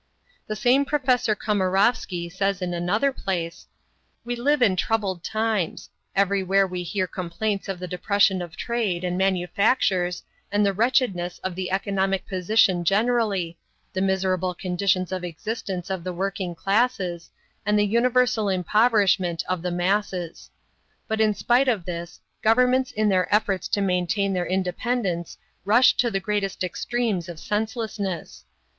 The same Professor Komarovsky says in another place: "We live in troubled times. Everywhere we hear complaints of the depression of trade and manufactures, and the wretchedness of the economic position generally, the miserable conditions of existence of the working classes, and the universal impoverishment of the masses. But in spite of this, governments in their efforts to maintain their independence rush to the greatest extremes of senselessness.